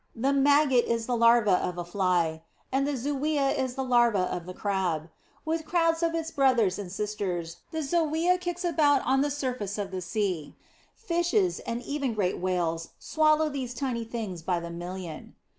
The maggot is the larva of the fly, and the zoea is the larva of the Crab. With crowds of its brothers and sisters, the zoea kicks about on the surface of the sea. Fishes, and even great whales, swallow these tiny things by the million.